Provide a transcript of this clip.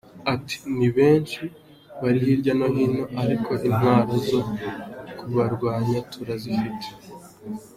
Ati “Ni benshi; bari hirya no hino ariko intwaro zo kubarwanya turazifite.